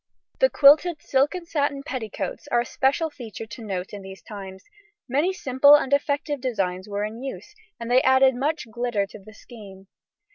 The quilted silk and satin petticoats are a special feature to note in these times; many simple and effective designs were in use, and they added much glitter to the scheme.